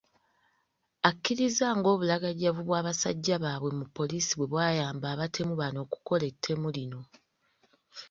Akkiriza ng’obulagajjavu bw’abasajja baabwe mu poliisi bwe bwayamba abatemu bano okukola ettemu lino.